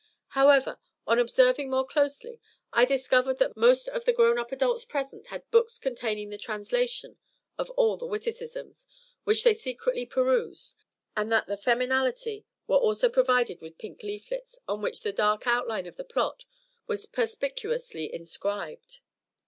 However, on observing more closely, I discovered that most of the grown up adults present had books containing the translation of all the witticisms, which they secretly perused, and that the feminality were also provided with pink leaflets on which the dark outline of the plot was perspicuously inscribed.